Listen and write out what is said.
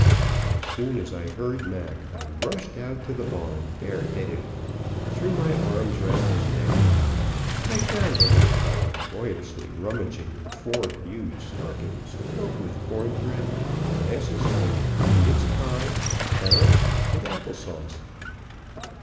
As soon as I heard Mac I rushed out to the barn bare headed, and threw my arms round his neck. I found the little fellow joyously rummaging in four huge stockings filled with corn bread, molasses cake, mince pie, carrots, and apple sauce.